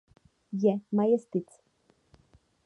Je majestic.